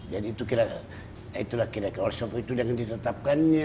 jadi itulah kita oleh sebab itu dengan ditetapkannya